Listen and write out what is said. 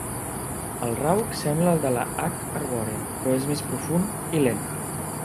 El rauc sembla el de la "H. arborea", però és més profund i lent.